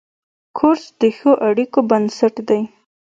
کورس د ښو اړیکو بنسټ دی.